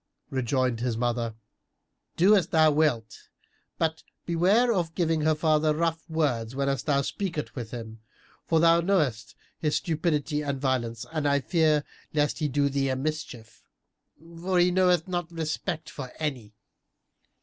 Rejoined his mother, "Do as thou wilt, but beware of giving her father rough words, whenas thou speakest with him; for thou knowest his stupidity and violence and I fear lest he do thee a mischief, for he knoweth not respect for any."